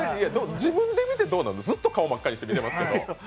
自分で見てどうなのずっと顔真っ赤にしてるけど。